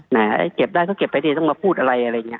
ไหนไอ้เก็บได้เขาเก็บไปเลยต้องมาพูดอะไรอะไรอย่างเงี้ยอ๋อ